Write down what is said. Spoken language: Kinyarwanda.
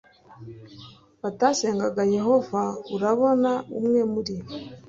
batasengaga Yehova Urabona umwe muri